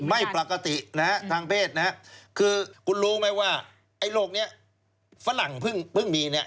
ไม่ปกติทางเพศคือกูรู้ไหมว่าไอ้โรคนี้ฝรั่งพึ่งมีเน่ะ